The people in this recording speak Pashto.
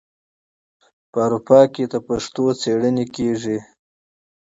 په اروپا کې د پښتو څیړنې کیږي.